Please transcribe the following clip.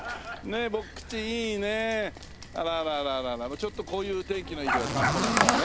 ちょっとこういう天気のいい日は散歩なんかもね。